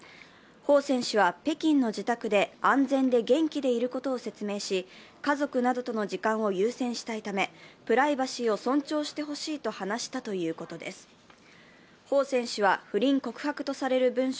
彭選手は北京の自宅で安全で元気でいることを説明し、家族などとの時間を優先したいため、プライバシーを尊重してほしいと話したということです。